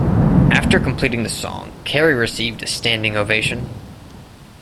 After completing the song, Carey received a standing ovation.